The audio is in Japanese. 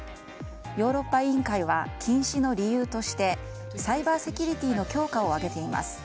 ヨーロッパ委員会は禁止の理由としてサイバーセキュリティーの強化を挙げています。